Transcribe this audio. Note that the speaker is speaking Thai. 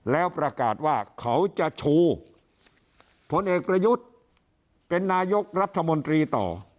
แล้วประกาศว่าเขาจะชูผลเอกประยุทธ์เป็นนายกรัฐมนตรีต่อ